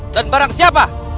dan barang siapa